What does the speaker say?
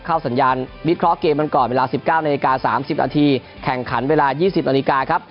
เข้าสัญญาณวิทย์คลอสเกมกันก่อนเวลาสิบเก้านาฬิกาสามสิบนาทีแข่งขันเวลายี่สิบนาฬิกาครับ